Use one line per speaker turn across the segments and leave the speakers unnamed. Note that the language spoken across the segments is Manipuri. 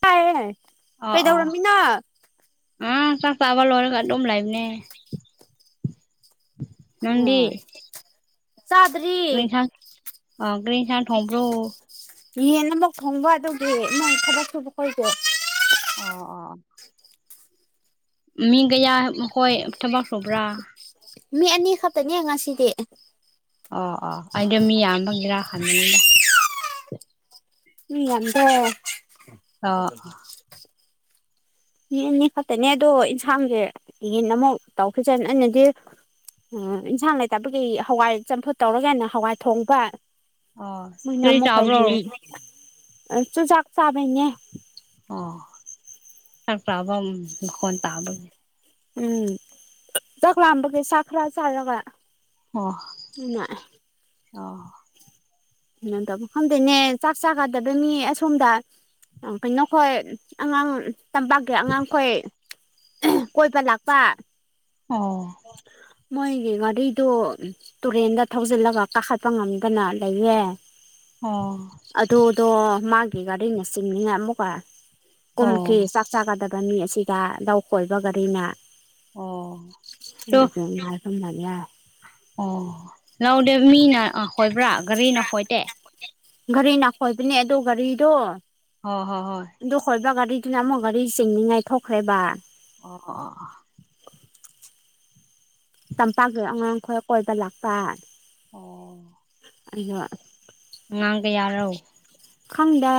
ꯍꯥꯏꯌꯦꯌꯦ
ꯑꯣ ꯑ ꯑ ꯆꯥꯛ ꯆꯥꯕ ꯂꯣꯏꯔꯒ ꯑꯗꯨꯝ ꯂꯥꯏꯕꯅꯦ
ꯎꯝ ꯆꯥꯗ꯭ꯔꯤ
꯭ꯔꯤꯁꯥꯡ ꯑ ꯭ꯔꯤꯟ ꯁꯥꯡ ꯊꯣꯡꯕ꯭ꯔꯣ
ꯍꯦ ꯑꯃꯛ ꯐꯣꯡꯕ ꯑꯗꯨꯗꯤ ꯅꯪ ꯈꯔ ꯁꯨꯕ ꯈꯣꯏꯗꯦ
ꯑꯣ ꯑꯣ ꯃꯤ ꯀꯌꯥ ꯃꯈꯣꯏ ꯊꯕꯛ ꯁꯧꯕ꯭ꯔꯥ
ꯃꯤ ꯑꯅꯤ ꯈꯛꯇꯅꯦ ꯉꯁꯤꯗꯤ
ꯑꯣ ꯑꯣ ꯑꯩꯗ ꯃꯤ ꯑꯌꯥꯝꯕꯒꯤꯔꯥ ꯈꯟꯕꯅꯤꯗ
ꯎꯝ ꯅꯗꯦ
ꯑ ꯑ
ꯃꯤ ꯑꯅꯤ ꯈꯛꯇꯅꯦ ꯑꯗꯣ ꯏꯟꯁꯥꯡꯁꯦ ꯌꯦꯟ ꯑꯃꯨꯛ ꯇꯧꯈꯤꯁꯅ ꯑꯩꯅꯗꯤ ꯑꯣ ꯏꯟꯁꯥꯡ ꯂꯩꯇꯕ ꯀꯩ ꯍꯋꯥꯏ ꯆꯝꯐꯨꯠ ꯇꯧꯔꯒꯅ ꯍꯋꯥꯏ ꯊꯣꯡꯕ
ꯑꯣ
ꯃꯣꯏꯅ
ꯀꯔꯤ
ꯑꯃꯨꯛ
ꯆꯥꯕ꯭ꯔꯣ
ꯈꯥꯏꯁ ꯑ ꯆꯨꯖꯥꯛ ꯆꯥꯕꯩꯅꯦ
ꯑꯣ ꯈꯔ ꯄꯥꯕ ꯃꯈꯣꯟ ꯇꯥꯕꯒꯤ
ꯎꯝ ꯆꯥꯛꯂꯥꯝꯕꯒꯦ ꯆ ꯈ꯭ꯔ ꯆꯥꯔꯒ
ꯑꯣ
ꯑꯩꯅ
ꯑꯣ
ꯀꯝ ꯇ ꯈꯪꯗꯣꯏꯅꯦ ꯆꯥꯛ ꯆꯥꯒꯗꯕ ꯃꯤ ꯑꯁꯣꯝꯗ ꯀꯣꯏ ꯅꯈꯣꯏ ꯑꯉꯥꯡ ꯇꯝꯄꯥꯛꯀꯤ ꯑꯉꯥꯡꯈꯣꯏ ꯀꯣꯏꯕ ꯂꯥꯛꯄ
ꯑꯣ
ꯃꯣꯏꯒꯤ ꯉꯗꯩꯗ ꯇꯨꯔꯦꯟꯗ ꯊꯧꯖꯤꯜꯂꯒ ꯀꯥꯈꯠꯄ ꯉꯝꯗꯅ ꯂꯩꯌꯦꯦ
ꯑꯣ
ꯑꯗꯨꯗꯣ ꯃꯥꯒꯤ ꯒꯥꯔꯤꯅꯆꯤꯡꯅꯤꯅ ꯑꯃꯨꯛꯀ
ꯑꯣ
ꯀꯨꯝꯈꯤ ꯆꯥꯒꯗꯕ ꯃꯤ ꯑꯁꯤꯗ ꯂꯧ ꯀꯣꯏꯕ ꯒꯥꯔꯤꯅꯦꯡꯅ
ꯑꯣ ꯇꯣ
ꯍꯥꯏ ꯑꯗꯨꯝꯅꯕꯤꯦ
ꯑꯣ ꯂꯧꯗꯦ ꯃꯤꯅ ꯑ ꯍꯣꯏꯕ꯭ꯔꯥ ꯒꯥꯔꯤꯅ ꯍꯣꯏꯗꯦ
ꯒꯥꯔꯤ ꯅꯥꯈꯣꯏꯕꯅꯦ ꯑꯗꯨ ꯒꯥꯔꯤꯗꯣ
ꯍ ꯍꯣ ꯍꯣꯏ
ꯑ ꯗꯣ ꯈꯣꯏꯕ ꯒꯥꯔꯤꯗꯨꯅ ꯑꯃꯨꯛ ꯒꯥꯔꯤ ꯆꯦꯟꯅꯤꯡꯉꯥꯏ ꯊꯣꯛꯈ꯭ꯔꯦꯕ
ꯑꯣ ꯑꯣ ꯑꯣ
ꯇꯝꯄꯥꯛꯁꯨ ꯑꯉꯥꯡ ꯈꯔ ꯀꯣꯏꯗ ꯂꯥꯛꯀ
ꯑꯣ
ꯑ
ꯉꯥꯡꯒ ꯌꯥꯔꯣ
ꯈꯪꯗ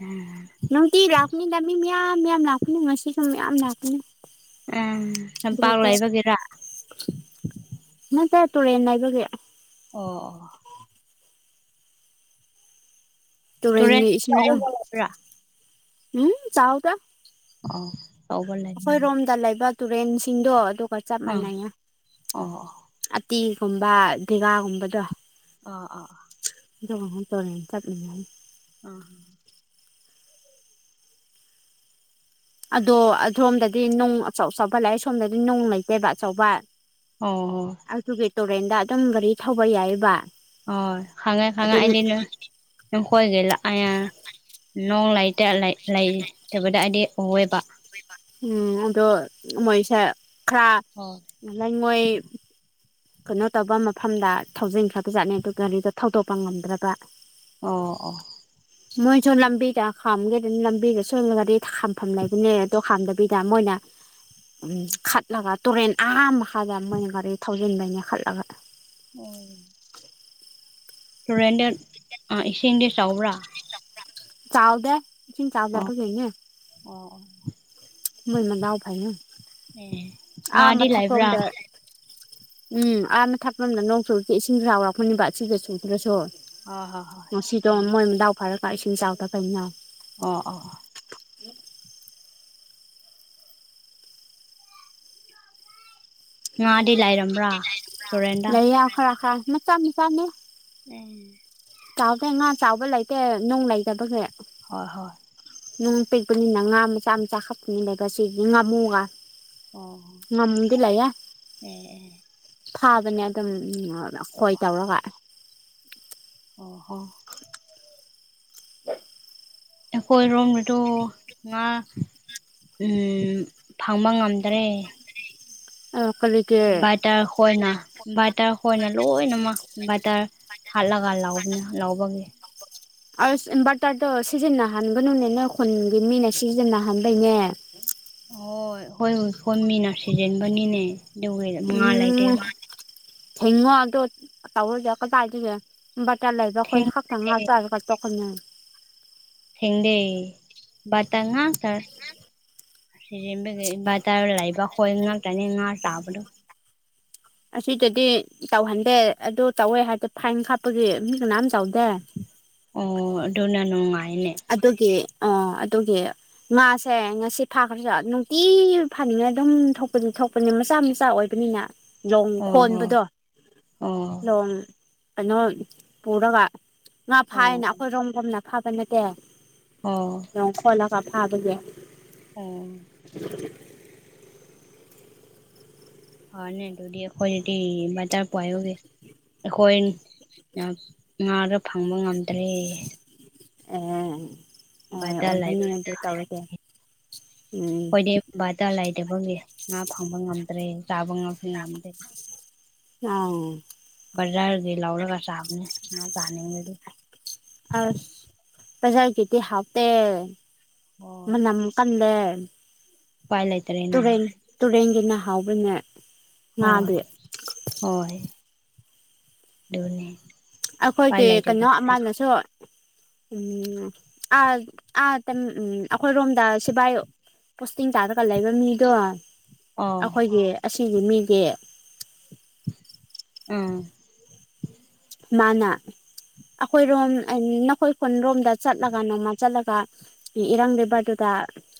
ꯎꯝ
ꯅꯨꯡꯇꯤ ꯂꯥꯛꯀꯅꯤꯗ ꯃꯤ ꯃꯌꯥꯝ ꯃꯌꯥꯝ ꯂꯥꯛꯀꯅꯤ ꯉꯁꯤꯁꯨ ꯃꯌꯥꯝ ꯂꯥꯛꯀꯅꯤ
ꯎꯝ ꯂꯝꯄꯥꯛ ꯂꯩꯕꯒꯤꯔꯥ
ꯅ ꯇꯥꯏ ꯇꯨꯔꯦꯟꯦꯟ ꯂꯏꯕꯒꯌꯥ
ꯑꯣ ꯑꯣ
ꯇꯨꯔꯦꯟꯒꯤ ꯏꯁꯤꯡꯗꯣ
ꯇꯨꯔꯦꯟꯕꯔꯕ꯭ꯔꯥ
ꯎꯝ ꯆꯥꯎꯗ
ꯑ
ꯑꯩꯈꯣꯏꯔꯣꯝꯗ ꯂꯩꯕ ꯇꯨꯔꯦꯟꯁꯤꯡꯗꯣ ꯑꯗꯨꯒ ꯆꯞ
ꯑꯥ
ꯃꯥꯟꯅꯩꯉꯦ
ꯑꯣ
ꯑꯇꯤꯒꯨꯝꯕ ꯗꯦꯒꯥꯒꯨꯝꯕꯗꯣ
ꯑꯥ ꯑꯥ
ꯗꯉ ꯇꯔ ꯆꯠꯅꯤ ꯌꯥꯅꯤ
ꯑ
ꯑꯗꯣ ꯑꯣꯝꯗꯗꯤ ꯅꯅꯨꯡ ꯑꯆꯧ ꯑꯆꯧꯕ ꯂꯥꯛꯑꯦ ꯁꯣꯝꯗꯗꯤ ꯅꯅꯨꯡ ꯂꯩꯇꯦꯕ ꯑꯆꯧꯕ
ꯑꯣ ꯍ
ꯑꯗꯨꯒꯤ ꯇꯨꯔꯦꯟꯗ ꯑꯗꯨꯝ ꯒꯥꯔꯤ ꯊꯧꯕ ꯌꯥꯏꯕ
ꯍ ꯈꯪꯉꯥꯏ ꯈꯉꯥꯏ ꯍꯥꯏꯅ ꯅꯈꯣꯏꯒ ꯂꯥꯛꯥꯏ ꯅꯣꯡ ꯂꯩꯇ ꯂꯩ ꯀꯕꯗ ꯍꯥꯏꯗꯤ ꯑꯋꯦꯕ
ꯎꯝ ꯑꯗꯣ ꯃꯣꯏꯁꯦ ꯈꯔ
ꯍ
ꯂ ꯂꯥꯏ ꯃꯣꯏ ꯀꯩꯅꯣ ꯇꯧꯕ ꯃꯐꯝꯗ ꯊꯧꯖꯤꯟ ꯈꯔꯕ ꯆꯠꯅꯤ ꯑꯗꯨ ꯒꯥꯔꯤꯗꯣ ꯊꯧꯗꯣꯛꯄ ꯉꯝꯗ꯭ꯔꯕ
ꯑꯣ ꯑꯣ
[inaudible] ꯃꯣꯏꯁꯨ ꯂꯝꯕꯤꯗ ꯈꯥꯝꯒꯦꯗꯅ ꯂꯝꯕꯤꯗꯁꯨ ꯒꯥꯔꯤ ꯈꯥꯝꯐꯝ ꯂꯩꯕꯅꯦ ꯑꯗꯨꯣ ꯈꯥꯝꯗꯕꯤꯗ ꯃꯣꯏꯅ ꯎꯝ ꯈꯠꯂꯒ ꯇꯨꯔꯦꯟ ꯑꯍꯥ ꯃꯈꯥꯗ ꯃꯣꯏꯅ ꯒꯥꯔꯤ ꯊꯧꯖꯤꯟꯕꯩꯅꯦ ꯈꯠꯂꯒ
ꯎꯝ ꯇꯨꯔꯦꯟꯗ ꯏꯁꯤꯡꯗꯤ ꯆꯥꯎꯕ꯭ꯔꯥ
ꯆꯥꯥꯎꯗ ꯆꯗ ꯇꯖꯅ
ꯑ
ꯃꯣꯏ ꯃꯅꯥꯎ ꯐꯥꯏꯅ
ꯑꯦ
ꯑꯥ
ꯉꯥꯗꯤ ꯂꯩꯕ꯭ꯔꯥ
ꯃꯊꯛꯄꯣꯝꯗ ꯎꯝ ꯑꯥꯅ ꯊꯛꯄꯝꯗ ꯅꯣꯡ ꯆꯨ ꯏꯁꯤꯡ ꯈ ꯍꯥꯎꯔꯛꯄꯅꯤꯕ ꯁꯤꯗ ꯆꯨꯗ꯭ꯔꯁꯨ
ꯍꯣꯏ ꯍꯣꯏ
ꯉꯁꯤꯗꯣ
ꯍꯣꯏ
ꯃꯣꯏ ꯃꯗꯥꯎ ꯐꯥꯔꯒ ꯏꯁꯤꯡ ꯆꯥꯎꯗ ꯀꯩꯅ
ꯑꯣ ꯑꯣ ꯉꯥꯗꯤ ꯂꯥꯏꯔꯝꯕ꯭ꯔꯥ
ꯂꯩ ꯌꯥ ꯈꯔ ꯈꯔ ꯅ ꯆꯝꯃꯤ ꯆꯝꯃꯦ
ꯎꯝ
ꯆꯥꯎꯗꯦ ꯉꯥ ꯆꯥꯎꯕ ꯂꯩꯇꯦ ꯅꯨꯡ ꯂꯩꯇꯕꯁꯦ
ꯍꯣꯏ ꯍꯣꯏ
ꯅꯣꯡ ꯄꯤꯛꯄꯅꯤꯅ ꯉꯥ ꯃꯆꯥ ꯃꯆꯥ ꯈꯛꯄꯅꯤꯅꯒꯁꯤꯒꯤ ꯉꯥꯃꯨꯒ
ꯑꯣ
ꯉꯃꯗꯤ ꯂꯦ
ꯑꯦ ꯑꯦ
ꯐꯥꯕꯅꯦ ꯑꯗꯨꯝ ꯈꯣꯏ ꯇꯧꯔꯒ
ꯑꯣ ꯍꯣ ꯑꯩꯈꯣꯏ ꯔꯣꯝ ꯠꯇ ꯃꯥ ꯐꯪꯕ ꯉꯝꯗ꯭ꯔꯦ
ꯑ ꯀꯂꯒꯦ
ꯕꯇꯔ ꯍꯣꯏꯅ ꯕꯇꯔ ꯍꯣꯏꯅ ꯂꯣꯏꯅꯃ ꯕꯥꯇꯔ ꯍꯜꯂꯒ ꯂꯥꯎꯅꯦ ꯂꯧꯕꯒꯦ
ꯑ ꯚꯔꯇꯔꯗꯣ ꯁꯤꯖꯤꯟꯅꯍꯟꯒꯅꯨꯅꯦ ꯅ ꯈꯨꯟꯒꯤ ꯃꯤꯅ ꯁꯤꯖꯤꯟꯅꯍꯟꯕꯩꯅꯦ
ꯍ ꯍꯣꯏ ꯍꯣꯏꯈꯣꯏ ꯃꯤꯅ ꯁꯤꯖꯤꯦꯟꯕꯅꯤꯅꯦ
ꯎꯝ ꯍꯉꯣ ꯑꯗꯨ ꯑꯗꯨꯣ ꯇꯧꯔ ꯌꯥꯎ ꯀꯠꯇ ꯍꯥꯏꯗꯒꯦ ꯕꯥ ꯇꯥ ꯂꯥꯏꯕ ꯈꯣꯏ ꯈꯥꯛ
ꯊꯦꯡꯗꯦ
ꯊꯉ ꯆ ꯍꯥꯏ ꯀꯥꯇꯈꯅꯅ
ꯊꯦꯡꯗꯦ ꯇꯇꯔ ꯁꯤ ꯇ ꯂꯥꯏꯕ ꯈꯣꯏ ꯇꯅꯤ ꯇꯥꯕꯨꯅꯣ
ꯑꯁꯤꯗꯗꯤ ꯇꯧꯍꯟꯗꯦ ꯑꯗꯨ ꯇꯧꯋꯦ ꯍꯥꯏꯗꯤꯦ ꯐꯥꯏꯟ ꯀꯥꯞꯄꯒꯤ ꯃꯤ ꯀꯅꯥꯝ ꯆꯥꯎꯗꯦ
ꯑꯣ ꯑꯗꯨꯣꯅꯅꯅꯨꯡꯥꯏꯅꯦ
ꯑꯗꯨꯒꯤ ꯑ ꯑꯗꯨꯒꯤ ꯉꯥꯁꯦ ꯉꯁꯤ ꯐꯥꯈ꯭ꯔꯁꯨ ꯅꯨꯡꯇꯤ ꯐꯥꯅꯤꯡꯅ ꯑꯗꯨꯝ ꯊꯣꯛꯄꯗꯤ ꯊꯣꯛ ꯄꯅ ꯃꯆꯥ ꯃꯆꯥ ꯑꯣꯏꯕꯅꯤꯅ ꯂꯣꯡ
ꯑꯣ ꯍꯣ
ꯈꯣꯟꯕꯗꯣ
ꯑꯣ
ꯂꯣꯡ ꯀꯩꯅꯣ ꯄꯨꯔꯒ ꯉꯥ
ꯑꯣ
ꯐꯥꯏꯅ ꯑꯩꯈꯣꯏꯔꯣꯝ ꯀꯝꯅ ꯐꯥꯕ ꯅꯠꯇꯦ
ꯑꯣ
ꯂꫭꯡ ꯈꯣꯜꯂꯒꯥ ꯐꯥꯕꯒꯤ
ꯎꯝ ꯍꯅꯦ ꯑꯗꯨꯗꯤ ꯑꯩꯈꯣꯏꯗꯤ [unintelligible] ꯑꯩꯈꯣꯏꯟꯅ ꯉꯥꯗꯣ ꯐꯪꯕ ꯉꯝꯗ꯭ꯔꯦ
ꯑꯦꯟ ꯑꯣꯏ
ꯕꯇꯔ ꯂꯩꯕ
ꯑꯣꯏꯕꯅꯦ ꯑꯗꯨ ꯇꯧꯔꯗꯤ ꯎꯝ
ꯕꯥꯗꯥ ꯂꯩꯇꯕꯒꯤ ꯉꯥ ꯐꯪꯕ ꯉꯝꯗ꯭ꯔꯦ ꯆꯥꯕꯥ ꯉꯥꯛꯁꯨꯅꯤ ꯉꯝꯗꯦ
ꯑꯥ
ꯕꯖꯥꯔꯗꯩ ꯂꯧꯔꯒ ꯆꯥꯕꯅꯦ ꯉꯥ ꯆꯥꯅꯤꯡꯂꯗꯤ
ꯑꯁ ꯄ꯭ꯔꯖꯥꯔꯒꯤꯗꯤ ꯍꯥꯎꯇꯦ
ꯍꯣꯏ
ꯃꯅꯝ ꯀꯟꯂꯦ
ꯎꯄꯥꯏ ꯂꯩ
ꯇꯨꯔꯦꯟ ꯇꯨꯔꯦꯟꯒꯤꯅ ꯍꯥꯎꯕꯅꯦ
ꯍꯣꯏ
ꯉꯥꯗꯤ
ꯍꯣꯏ ꯗꯨꯅꯦ
ꯑꯈꯣꯏꯒꯤ ꯀꯩꯅꯣ ꯑꯃꯅꯁꯨ ꯎꯝ ꯑꯥ ꯑꯥ ꯑꯈꯣꯏꯔꯣꯝꯗ ꯁꯤꯕꯥꯥꯏ ꯄꯣꯁꯇꯤꯡ ꯇꯥꯔꯒ ꯂꯩꯕ ꯃꯤꯗꯣ
ꯑꯣ
ꯑꯈꯣꯏꯒꯤ ꯑꯁꯤꯒꯤ ꯃꯤꯒꯤ
ꯎꯝ
ꯃꯥꯅ ꯑꯈꯣꯏꯔꯣꯝ ꯅꯈꯣꯏ ꯈꯨꯟꯔꯣꯝꯗ ꯆꯠꯂꯒ ꯅꯣꯡꯃ ꯆꯠꯂꯒ ꯏꯔꯪ ꯂꯩꯕꯗꯨꯗ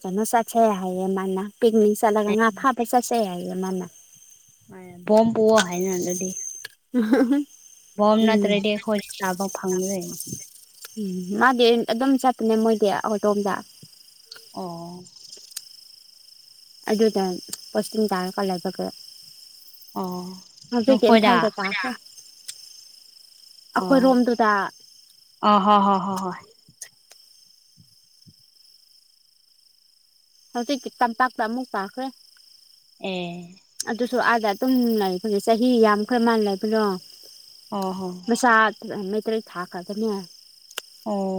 ꯀꯩꯅꯣ ꯆꯠꯁꯦ ꯍꯥꯏꯌꯦ ꯃꯥꯅ ꯄꯤꯛꯅꯤꯛ ꯆꯠꯂꯒ ꯉꯥ ꯐꯥꯕꯩ ꯆꯠꯁꯦ ꯍꯥꯏꯌꯦ ꯃꯥꯅ
ꯄꯣꯝ ꯄꯨꯋꯣ ꯍꯥꯏꯅ ꯑꯗꯗꯤ
[unintelligible]
ꯕꫭꯝ
ꯎꯝ
ꯅꯠꯇ꯭ꯔꯗꯤ ꯑꯩꯈꯣꯏꯅ ꯆꯥꯕ ꯐꯪꯗ꯭ꯔꯦ
ꯎꯝ ꯃꯥꯗꯤ ꯑꯗꯨꯝ ꯆꯠꯄꯅꯦ ꯃꯣꯏꯗꯤ ꯑꯈꯣꯏꯇꯣꯝꯗ
ꯑꯣ
ꯑꯗꯨꯗ ꯄꯣꯁꯇꯤꯡ ꯇꯥꯔꯒ ꯂꯩꯕꯒ
ꯑꯣ
ꯍꯧꯖꯤꯛꯇꯤ
ꯅꯈꯣꯏꯗ
ꯏꯝꯐꯥꯜꯗ ꯇꯥꯈ꯭ꯔꯦ
ꯑꯣ
ꯑꯈꯣꯏꯔꯣꯝꯗꯨꯗꯥ
ꯑ ꯍꯣꯏ ꯍꯣꯏ ꯍꯣꯏ ꯍꯣꯏ
ꯍꯧꯖꯤꯛꯇꯤ ꯇꯝꯄꯥꯛꯇ ꯑꯃꯨꯛ ꯇꯥꯈ꯭ꯔꯦ
ꯑꯦ
ꯑꯗꯨꯁꯨ ꯑꯥꯗ ꯑꯗꯨꯝ ꯂꯩꯕꯒꯤ ꯆꯍꯤ ꯌꯥꯝꯈ꯭ꯔꯦ ꯃꯥꯅ ꯂꯩꯕꯗꯣ
ꯑꫭ ꯍꫭ
ꯏꯆꯥꯠ ꯐꯖꯅ ꯃꯩꯇꯔꯦꯠ ꯊꯥꯈ꯭ꯔꯒꯅꯤ ꯍꯥꯏ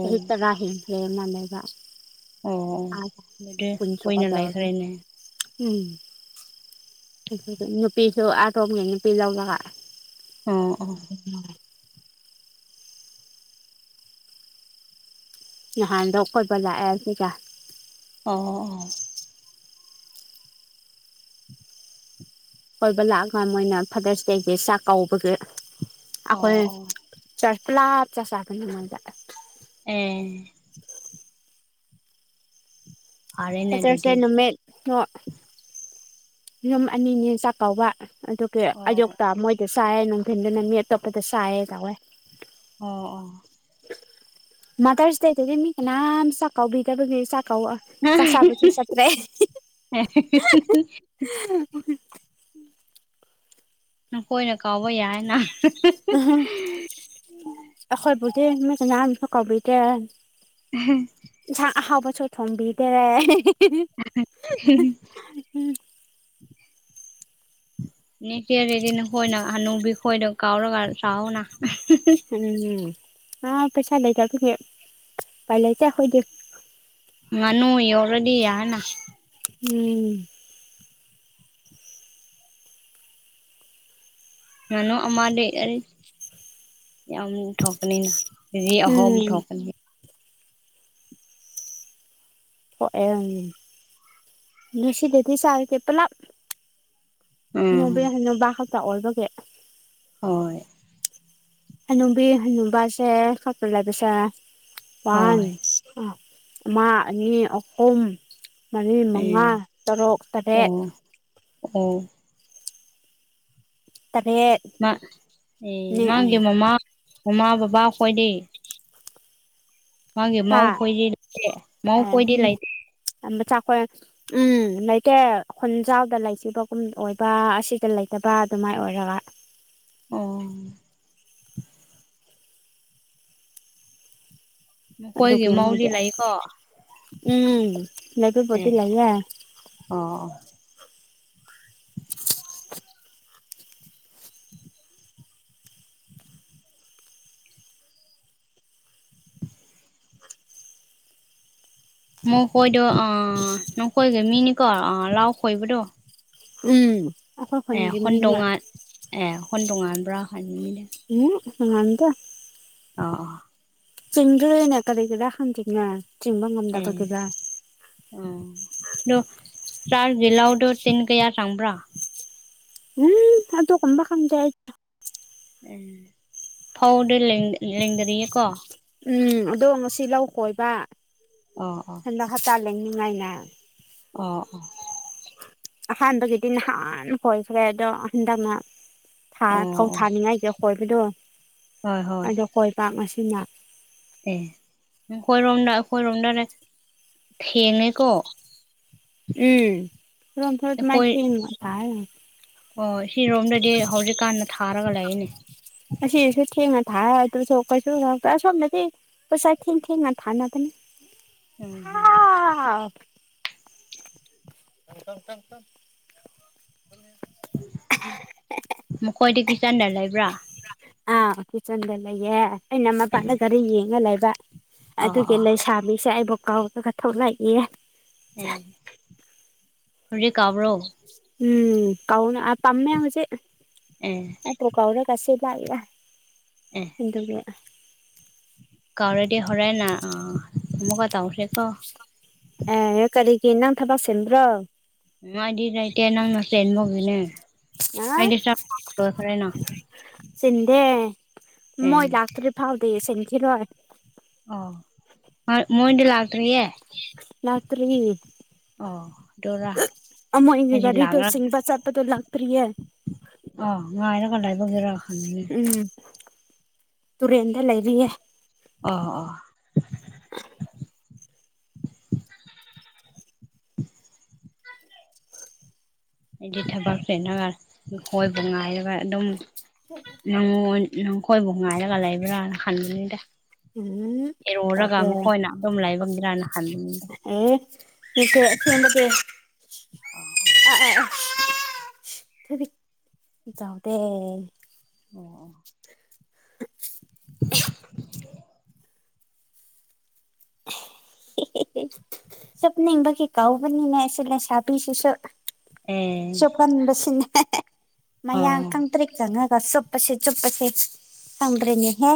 ꯆꯍꯤ ꯇꯔꯥ ꯍꯦꯟ ꯍꯦ ꯃ ꯂꯩꯕ
ꯑꯣ ꯑꯣ
ꯑ
ꯑꯗꯨꯗꯤ
ꯀꯨꯟ
ꯀꯨꯏꯅ
ꯁꯣꯛꯀꯇꯧꯔꯖꯦ
ꯂꯩꯈ꯭ꯔꯦꯅꯦ
ꯎꯝ ꯅꯨꯄꯤꯁꯨ ꯑꯇꯣꯝꯒꯤ ꯅꯨꯄꯤ ꯂꯧꯔꯒ
ꯑꯣ ꯑꯣ
[unintelligible] ꯅꯍꯥꯟꯗꯣ ꯀꯣꯏꯕ ꯂꯥꯛꯑꯦ ꯁꯤꯒ
ꯑꯣ ꯑꯣ
ꯀꯣꯏꯕ ꯂꯥꯛꯑꯒ ꯃꯣꯏꯅ ꯐꯥꯗ꯭ꯔꯁ ꯗꯦꯒꯤ ꯆꯥꯛ ꯀꯧꯕꯒꯤ ꯑꯥꯈꯣꯏ
ꯑꯣ ꯑꯣ
ꯆ꯭ꯔꯁꯄꯂꯥꯞ ꯆꯥꯛ ꯆꯥꯕꯅꯦ ꯃꯣꯏꯗ
ꯑꯦ ꯐꯔꯦꯅꯦ
ꯐꯦꯠꯇ꯭ꯔꯁꯗꯦ
ꯑꯗꯨꯗꯤ
ꯅꯨꯃꯤꯠ ꯅꯣ ꯌꯨꯝ ꯑꯅꯤꯅꯤ ꯆꯥꯛ ꯀꯧꯕ ꯑꯗꯨꯒꯤ
ꯑꯣ
ꯑꯌꯨꯛꯇ ꯃꯣꯏ ꯆꯥꯏꯑꯦ ꯅꯨꯡꯊꯤꯟꯗꯅ ꯃꯤ ꯑꯇꯣꯞꯄꯗ ꯆꯥꯏꯑꯦ ꯇꯧꯋꯦ
ꯑꯣ ꯑꯣ
ꯃꯥꯗ꯭ꯔꯁ ꯗꯦꯗꯗꯤ ꯃꯤ ꯀꯅꯥꯝ ꯆꯥꯛ ꯀꯧꯕꯤꯗꯕꯒꯤ ꯆꯥꯛꯀꯧ
[unintelligible] ꯅꯈꯣꯏꯅ ꯀꯥꯎꯕ ꯌꯥꯏꯅ
ꯑꯈꯣꯏꯕꯨꯗꯤ ꯃꯤ ꯀꯅꯥꯅꯁꯨ ꯀꯧꯕꯤꯗꯦ
ꯑꯍꯩ
ꯏꯟꯁꯥꯡ ꯑꯍꯥꯎꯕꯁꫪꯖꯨ ꯊꯣꯡꯕꯤꯗꯦ [unintelligible]
ꯅ ꯐꯗꯤꯅ ꯍꯣꯏꯅ ꯍꯅꯨꯕꯤ ꯍꯣꯏꯅ ꯀꯥꯥꯎꯔ ꯆꯥꯅ
ꯎꯝ ꯑꯥ ꯄꯩꯁꯥ ꯂꯩꯇ ꯑꯗꯨ ꯄꯥꯏ ꯂꯩꯇꯦ ꯑꯩꯈꯣꯏꯗꯤ
ꯉꯅꯨ ꯌꯧꯔꯗꯤ ꯌꯥꯅ
ꯎꯝ
ꯉꯅꯣ ꯑꯃꯗꯤ ꯌꯥꯝ ꯊꯛꯅꯤꯅ ꯑꯍꯣꯝ
ꯎꯝ
ꯊꯣꯛꯄꯅꯤꯅ
ꯍ ꯅꯁꯤꯗꯗꯤ ꯆ ꯀꯦ ꯄꯨꯂꯞ ꯍꯥꯅꯨꯕꯤ
ꯎꯝ
ꯍꯥꯅꯨꯕ ꯍꯥꯛꯇ ꯑꯣꯔꯕꯒꯦ
ꯍꯣꯏ
ꯍꯅꯨꯕꯤ ꯍꯅꯨꯕꯁꯦ ꯈꯣꯏꯗ ꯂꯩꯕꯁꯦ ꯋꯥꯟ
ꯍꯣꯏ
ꯑꯃꯥ ꯑꯅꯤ ꯑꯍꯨꯝ ꯃꯔꯤ ꯃꯉꯥ
ꯎꯝ
ꯇꯔꯨꯛ ꯇꯔꯦꯠ
ꯎꯝ
ꯇꯔꯦꯠ
ꯑꯦ ꯃꯥꯡꯗꯦ ꯃꯃꯥ ꯃꯃꯥ ꯕꯕꯥ ꯈꯣꯏꯗꯤ ꯃꯥꯒꯤ ꯃꯧ
ꯍꯥ
ꯀꯣꯏꯗꯤ ꯂꯩ ꯃꯧ ꯀꯣꯏꯗꯤ ꯂꯩꯇꯦ
ꯑ ꯆꯈꯣꯏ ꯎꯝ ꯂꯩꯇꯦ ꯈꯣꯟꯖꯥꯎꯗ ꯂꯩꯁꯤꯕꯒꯨꯝ ꯑꯣꯏꯕ ꯑꯁꯤꯗ ꯂꯩꯇꯕ ꯑꯗꯨꯃꯥꯏꯅ ꯑꯣꯏꯔꯒ
ꯑꯣ ꯃꯈꯣꯏꯒꯤ
ꯑꯗꯨꯒꯤ
ꯃꯧꯗꯤ
ꯃꯣꯏꯗꯤ
ꯂꯥꯛꯏꯀꯣ
ꯎꯝ
ꯑꯦ
ꯂꯩꯕꯕꯨꯗꯤ ꯂꯩꯌꯦ
ꯑꯣ [unintelligible] ꯃꯣꯏ ꯀꯣꯏꯗꯣ ꯑ ꯅꯪ ꯀꯣꯏꯒ ꯃꯤꯅꯤꯀꯣ ꯑ ꯂꯥꯎ ꯈꯣꯏꯕꯗꯣ
ꯎꯝ ꯑꯩꯈꯣꯏ
ꯑꯦ
ꯈꯨꯟꯒꯤ ꯃꯤꯅ
ꯍꯟꯗꯣꯡ ꯑꯦ ꯍꯟꯗꯣꯛ ꯑꯝꯕ꯭ꯔꯥꯍꯥꯟꯅꯤ
ꯎꯝ ꯉꯝꯗꯦ
ꯑ
ꯆꯤꯡꯗꯣꯏꯅꯦ ꯀꯔꯤꯒꯤꯔꯥ ꯍꯪꯖꯤꯡꯉ ꯆꯤꯡꯕ
ꯑꯦ
ꯉꯝꯗꯕꯒꯤꯗꯥ
ꯑꯣ ꯑꯗꯨꯗꯣ ꯆꯥꯛ ꯂꯥꯎꯗꯣ ꯇꯤꯟ ꯀꯌꯥ ꯁꯪꯕ꯭ꯔꯥ
ꯎꯝ ꯑꯗꯣ ꯀꯣꯟꯕꯥ ꯀꯝꯗ
ꯎꯝ ꯐꯧꯗꯨ ꯂꯦꯡꯗ꯭ꯔꯤꯌꯦꯀꯣ
ꯎꯝ ꯑꯗꯣ ꯉꯁꯤ ꯂꯧ ꯀꯣꯏꯕ
ꯑꯝ
ꯍꯟꯗꯛ ꯍꯞꯇꯥ ꯂꯦꯡꯅꯤꯡꯉꯥꯏꯅ
ꯑꯣ ꯑꯣ
ꯑꯥꯁꯥꯟꯕ ꯉꯍꯟꯅ ꯀꯣꯏꯔꯦ
ꯑꯣ
ꯐꯧ
ꯑꯣ
ꯊꯥꯅꯤꯡꯉꯥꯏꯒꯤ ꯍꯣꯏꯕꯗꯣ
ꯍꯣꯏ ꯍꯣꯏ
ꯀꯣꯏ ꯄꯥꯛ ꯑꯁꯤꯅ
ꯑꯦ ꯍꯣꯏꯔꯣꯝꯗ ꯍꯣꯏꯔꯣꯝꯗꯗ ꯊꯦꯡꯉꯦꯀꯣ
ꯎꯝ
ꯑꯩꯈꯣꯏ
[unintelligible]
ꯑꯣ ꯁꯤꯔꯣꯝꯗꯗꯤ ꯍꯧꯖꯤꯛꯀꯥꯟꯗ ꯊꯥꯔꯒ ꯂꯩꯅꯦ
ꯑꯁꯤꯁꯨ ꯊꯦꯡꯅ ꯊꯥ ꯑꯗꯨꯁꯨ ꯀꯩꯁꯨꯁꯣꯝꯗꯗꯤ ꯄꯩꯁꯥ ꯊꯦꯡ ꯊꯦꯡꯉꯥ ꯊꯅꯗꯅꯤ
ꯎꯝ
ꯑꯍꯥ [unintelligible]
ꯃꯈꯣꯏꯗꯤ ꯀꯤꯆꯟꯗ ꯂꯩꯕ꯭ꯔꯥ
ꯑꯥ ꯀꯤꯠꯆꯟꯗ ꯂꯩꯌꯦ ꯑꯩꯅ
ꯑꯦ
ꯃꯄꯥꯟꯗ ꯈꯔ ꯌꯦꯡꯉ ꯂꯩꯕ
ꯑ
ꯑꯗꯨꯒꯤ
ꯑ
ꯂꯩꯁꯥꯃꯤꯁꯦ ꯑꯩꯕꯨ ꯀꯥꯎꯗꯒ ꯊꯣꯛꯂꯛꯏ
ꯑꯦ ꯍꯔ ꯀꯥꯕ꯭ꯔꯣ
ꯎꯝ ꯀꯥꯎꯅ ꯑ ꯄꯥꯝꯃꯦ ꯍꯧꯖꯤꯛ
ꯑꯦ
ꯑ ꯇꯣ ꯀꯥꯎꯗ ꯀꯁꯤꯦ ꯂꯑꯂ
ꯑꯦ
ꯍ
ꯀꯥꯎꯔꯦꯗꯤ ꯍꯔꯦꯅ ꯑꯥ ꯑꯃꯨꯛꯀ ꯇꯧꯁꯦꯀꯣ
ꯑꯦ ꯀꯔꯤꯒꯤ ꯅꯪ ꯊꯕꯛ ꯁꯤꯕ꯭ꯔꯣ
ꯎ ꯑꯩꯗꯤꯥꯏꯇꯦ ꯅꯪꯅ ꯆꯦꯟꯕꯒꯤꯅꯦ ꯑꯩꯗꯤ ꯆꯈ꯭ꯔꯦꯅ
ꯁꯤꯤꯟꯗꯦ
ꯑꯦ
ꯃꯣꯏ ꯂꯥꯛꯇ꯭ꯔꯤ ꯐꯥꯎꯗꯤ ꯁꯤꯟꯈꯤꯔꯣꯏ
ꯑꯣ ꯃ ꯃꯣꯏꯟ ꯂ ꯂꯥꯛꯇ꯭ꯔꯤꯌꯦ
ꯔꯇꯔꯤ
ꯑꯣ ꯑꯗꯨꯔꯥ ꯑꯩꯗꯤ
ꯑꯃꯥꯏꯒꯒꯥꯔꯤꯗ
ꯂꯥꯛꯂ
ꯁꯤꯁꯤꯡꯕ ꯁꯥꯇꯗ ꯂꯥꯛꯇꯔꯤꯌꯦ
ꯑ ꯉꯥꯏꯔ ꯀꯟꯗꯥꯥꯏꯕꯒꯔ ꯈꯅꯦ
ꯎꯝ ꯇꯨꯔꯦꯟꯗ ꯂꯩꯔꯤꯌꯦ
ꯑꯣ ꯑꯣ ꯍꯥꯏꯗꯤ ꯊꯕꯛ ꯁꯦꯠꯅꯒ ꯈꯣꯏꯕ ꯉꯥꯏꯔꯒ ꯑꯗꯨꯝ ꯅꯪꯉ ꯅꯪꯈꯣꯏꯕꯨ ꯉꯥꯏꯔꯒ ꯂꯩꯕ꯭ꯔꯥꯅ ꯈꯟꯕꯅꯤꯗ
ꯎꯝ
ꯏꯔꯨꯔꯒ
ꯇꯧꯗꯦ
ꯃꯈꯣꯏꯅ ꯑꯗꯨꯝ ꯂꯥꯏꯕꯪꯗ꯭ꯔꯅ ꯈꯟꯕꯗ
ꯑꯣꯠꯇꯗꯗꯤ ꯑ ꯆꯥꯎꯥꯎꯗ
ꯑꯣ
ꯁꯨꯞꯅꯤꯡꯕꯒꯤ ꯀꯥꯎꯕꯅꯤꯅꯦ ꯑꯁꯤꯂ ꯁꯥꯕꯤꯁꯤꯁꯨ
ꯎꯝ
ꯀꯟꯕꯁꯤꯅꯦ ꯃꯌꯥ ꯈꯪꯇ꯭ꯔꯦ ꯆꯪꯉꯒ ꯑꯁ ꯆꯨꯞꯄꯁꯦ ꯆꯨꯞꯄꯁꯦ ꯁꯪ꯭ꯔꯅꯦꯍꯦ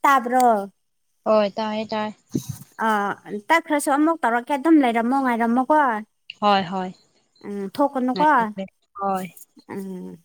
ꯇꯥꯕꯣ
ꯍꯣꯏ ꯇꯥꯏꯦ ꯇꯥꯏ
ꯑꯥ ꯇꯛꯈ꯭ꯔꯁꯨ ꯑꯃꯨꯛ ꯇꯧꯔꯛꯀꯦ ꯑꯗꯨꯝ ꯂꯩꯔꯝꯃꯣ ꯉꯥꯏꯔꯝꯃꯣꯀꯣ
ꯍꯣꯏ ꯍꯣꯏ
ꯎꯝ ꯊꯣꯛꯀꯅꯨꯀꯣ
ꯉꯥꯏꯔꯝꯃꯦ ꯍꯣꯏ
ꯎꯝ